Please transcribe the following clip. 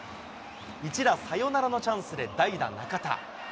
一打サヨナラのチャンスで代打、中田。